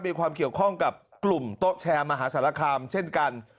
มีความเกี่ยวข้องกับกลุ่มโต๊ะแชร์มหาสารคามเช่นกัน